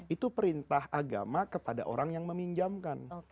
itu perintah agama kepada orang yang meminjamkan